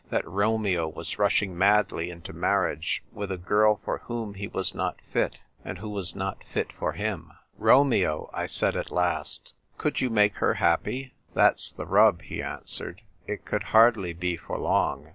That Romeo was rushing madly into marriage with a girl for whom he was not fit, and who was not fit for him. " Romeo," I said at last, " could you make her happy ?"" That's ^.he rub," he answered. " It could hardly be for long.